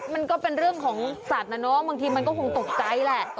มันก็เป็นเรื่องของสัตว์นะเนาะบางทีมันก็คงตกใจแหละ